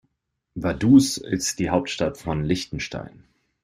Vaduz ist die Hauptstadt von Liechtenstein.